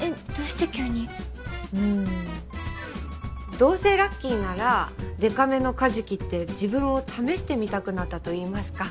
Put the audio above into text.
どうせラッキーならでかめの舵切って自分を試してみたくなったといいますか。